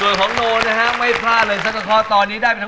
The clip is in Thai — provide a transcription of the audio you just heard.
เฮ้ยทำไมเขาดีจากต้องเป็นผม